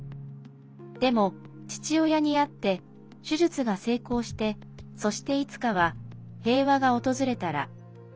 でも、父親に会って手術が成功してそして、いつかは平和が訪れたら。